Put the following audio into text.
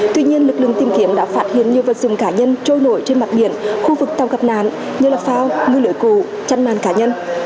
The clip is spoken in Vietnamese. tuy nhiên lực lượng tìm kiếm đã phát hiện nhiều vật rừng cá nhân trôi nổi trên mặt biển khu vực tàu gặp nạn như là phao ngư lưới cụ chăn màn cá nhân